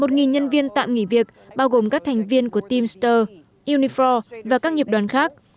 một nhân viên tạm nghỉ việc bao gồm các thành viên của teamster uniffor và các nghiệp đoàn khác